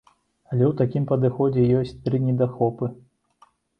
Але ў такім падыходзе ёсць тры недахопы.